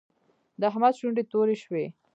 د احمد شونډې تورې شوې.